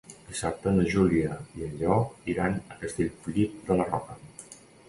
Dissabte na Júlia i en Lleó iran a Castellfollit de la Roca.